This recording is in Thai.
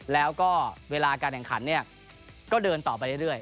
แล้วก็เวลาการแข่งขันเนี่ยก็เดินต่อไปเรื่อย